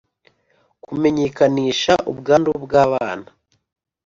kumenyekanisha ubwandu bw’abana: